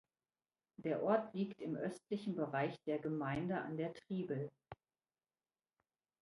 Der Ort liegt im östlichen Bereich der Gemeinde an der Triebel.